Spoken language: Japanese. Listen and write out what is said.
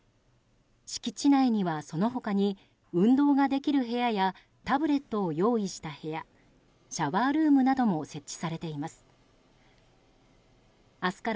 敷地内には、その他に運動ができる部屋やタブレットを用意した部屋シャワールームなども設置されています。